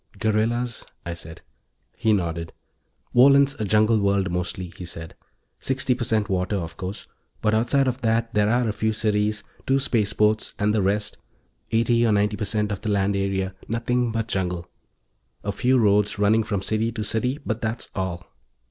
"Guerrillas," I said. He nodded. "Wohlen's a jungle world, mostly," he said. "Sixty per cent water, of course, but outside of that there are a few cities, two spaceports, and the rest eighty or ninety per cent of the land area nothing but jungle. A few roads running from city to city, but that's all."